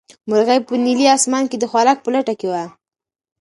مرغۍ په نیلي اسمان کې د خوراک په لټه کې وه.